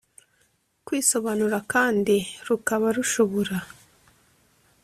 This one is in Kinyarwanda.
kwisobanura kandi rukaba rushobora